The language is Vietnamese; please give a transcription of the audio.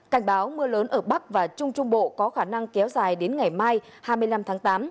cảnh báo mưa lớn ở bắc và trung trung bộ có khả năng kéo dài đến ngày mai hai mươi năm tháng tám